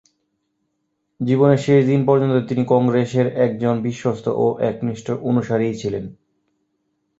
জীবনের শেষ দিন পর্যন্ত তিনি কংগ্রেসের একজন বিশ্বস্ত ও একনিষ্ঠ অনুসারীই ছিলেন।